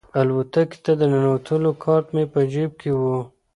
الوتکې ته د ننوتلو کارت مې په جیب کې و.